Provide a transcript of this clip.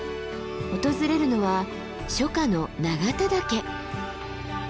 訪れるのは初夏の永田岳。